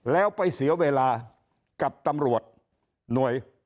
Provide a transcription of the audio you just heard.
แล้วไปเสียเวลากับตำรวจหน่วย